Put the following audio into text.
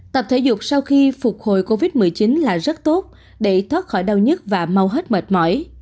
tập thể dục sau khi phục hồi covid một mươi chín là rất tốt để thoát khỏi đau nhất và mau hết mệt mỏi